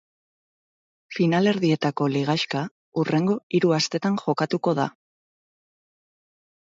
Finalerdietako lligaxka hurrengo hiru astetan jokatuko da.